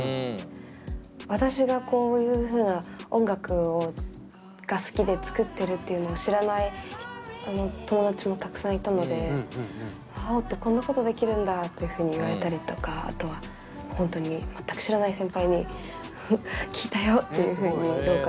私がこういうふうな音楽が好きで作ってるっていうのを知らない友達もたくさんいたので「ａｏってこんなことできるんだ」というふうに言われたりとかあとは「ありがとうございます」って言って。